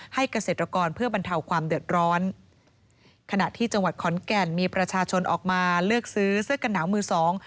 เกษตรกรเพื่อบรรเทาความเดือดร้อนขณะที่จังหวัดขอนแก่นมีประชาชนออกมาเลือกซื้อเสื้อกันหนาวมือสอง